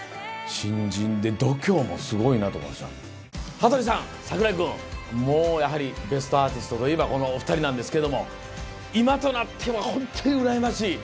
羽鳥さん櫻井君もうやはり『ベストアーティスト』といえばこのお２人なんですけども今となってはホントにうらやましい。